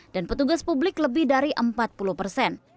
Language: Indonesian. dan petugas publik lebih dari empat puluh persen